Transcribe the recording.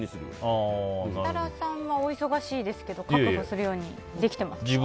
設楽さんはお忙しいですけど確保するようにできてますか？